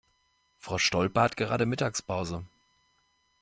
Frau Stolpe hat gerade Mittagspause.